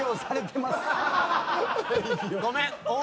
ごめん。